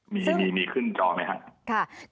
มีขึ้นจอไหมคะ